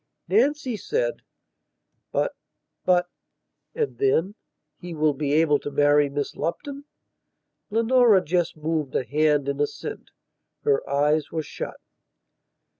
Nancy said: "But... but..." and then: "He will be able to marry Miss Lupton." Leonora just moved a hand in assent. Her eyes were shut.